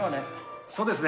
そうですね。